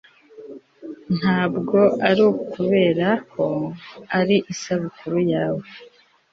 ntabwo ari ukubera ko ari isabukuru yawe